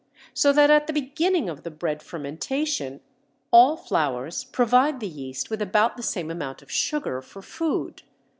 so that at the beginning of the bread fermentation all flours provide the yeast with about the same amount of sugar for food.